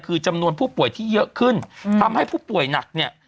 คือจำนวนผู้ป่วยที่เยอะขึ้นทำให้ผู้ป่วยหนักเนี่ย